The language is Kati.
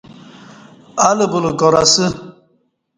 الہ بولہ کار اسہ